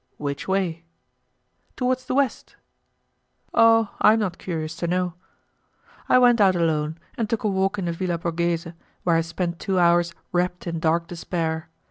"Which way?" "Towards the west." "Oh! I am not curious to know." I went out alone and took a walk in the Villa Borghese, where I spent two hours wrapped in dark despair.